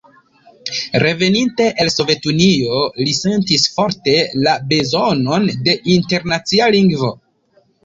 Reveninte el Sovetunio, li sentis forte la bezonon de internacia lingvo.